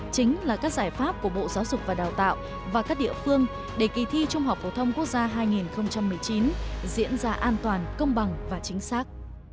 chính là các giải pháp của bộ giáo dục và đào tạo và các địa phương để kỳ thi trung học phổ thông quốc gia hai nghìn một mươi chín diễn ra an toàn công bằng và chính xác